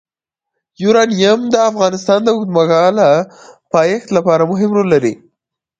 یورانیم د افغانستان د اوږدمهاله پایښت لپاره مهم رول لري.